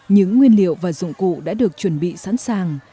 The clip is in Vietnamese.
những nguyên liệu và dụng cụ đã được chuẩn bị sẵn sàng